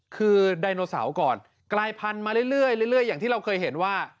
คือไดโนเสาร์ก่อนกลายพันธุ์มาเรื่อยอย่างที่เราเคยเห็นว่า